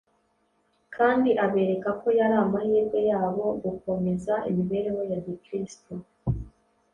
kandi abereka ko yari amahirwe yabo gukomeza imibereho ya Gikristo